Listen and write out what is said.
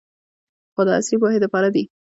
خو د عصري پوهې د پاره دې